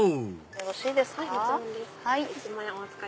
よろしいですか。